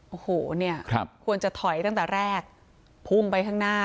โอ้โหเนี่ยควรจะถอยตั้งแต่แรกพุ่งไปข้างหน้า